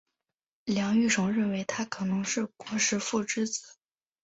梁玉绳认为他可能是虢石父之子。